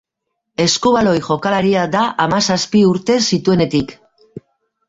Eskubaloi jokalaria da hamazazpi urte zituenetik.